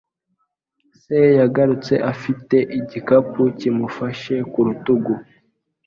Se yagarutse afite igikapu kimufashe ku rutugu.